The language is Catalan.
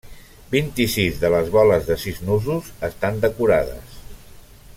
Vint-i-sis de les boles de sis nusos estan decorades.